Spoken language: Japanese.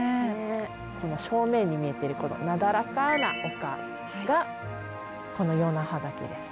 この正面に見えてるこのなだらかな丘がこの与那覇岳です。